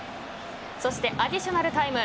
そしてアディショナルタイム。